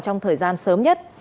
trong thời gian sớm nhất